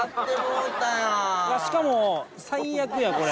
しかも最悪やこれ。